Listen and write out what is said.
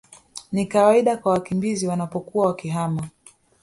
ni kawaida kwa wakimbizi wanapokuwa wakihama